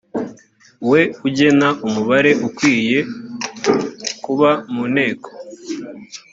we ugena umubare ukwiye kuba mu nteko